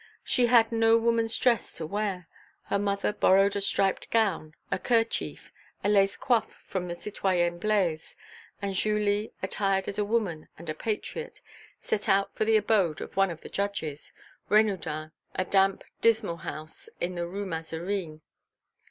She had no woman's dress to wear. Her mother borrowed a striped gown, a kerchief, a lace coif from the citoyenne Blaise, and Julie, attired as a woman and a patriot, set out for the abode of one of the judges, Renaudin, a damp, dismal house in the Rue Mazarine.